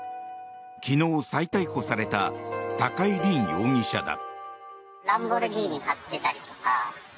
昨日再逮捕された高井凜容疑者だ。